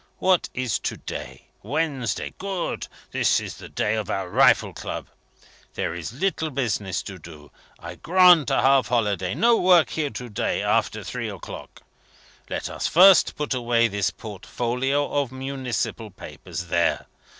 What is to day? Wednesday. Good! This is the day of our rifle club; there is little business to do; I grant a half holiday. No work here to day, after three o'clock. Let us first put away this portfolio of municipal papers. There!